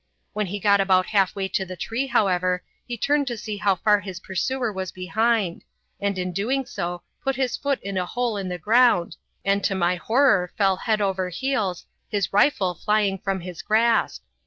When he got about half way to the tree, however, he turned to see how far his pursuer was behind, and in doing so put his foot in a hole in the ground, and to my horror fell head over heels, his rifle flying from his grasp.